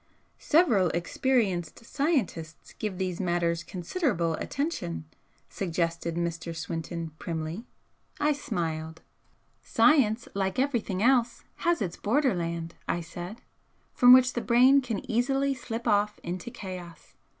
"Several experienced scientists give these matters considerable attention," suggested Mr. Swinton, primly. I smiled. "Science, like everything else, has its borderland," I said "from which the brain can easily slip off into chaos.